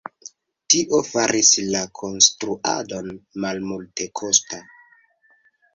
Tio faris la konstruadon malmultekosta.